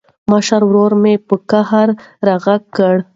مشر ورور مې په قهر راغږ کړ.